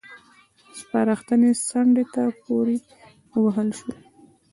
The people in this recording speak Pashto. سپارښتنې څنډې ته پورې ووهل شوې.